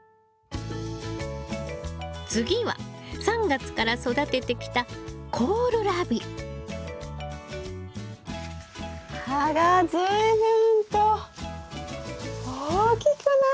次は３月から育ててきた葉が随分と大きくなったんですよ。